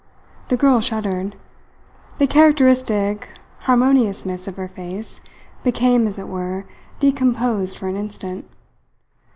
The girl shuddered. The characteristic harmoniousness of her face became, as it were, decomposed for an instant.